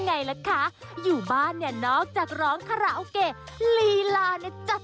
เงินฟรีเป็นปึกของใครไม่รู้